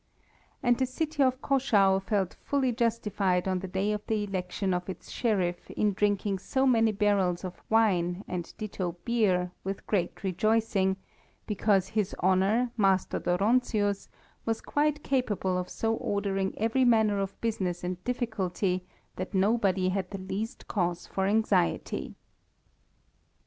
And the city of Caschau felt fully justified on the day of the election of its Sheriff in drinking so many barrels of wine and ditto beer with great rejoicing, because his Honour, Master Dóronczius, was quite capable of so ordering every manner of business and difficulty that nobody had the least cause for anxiety.